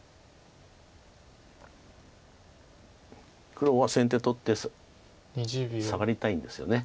黒は先手取ってサガりたいんですよね。